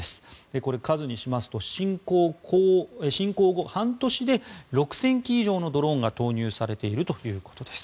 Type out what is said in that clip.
これ、数にしますと侵攻後半年で６０００機以上のドローンが投入されているということです。